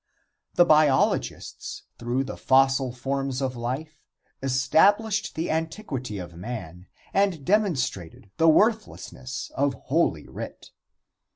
The biologists, through the fossil forms of life, established the antiquity of man and demonstrated the worthlessness of Holy Writ.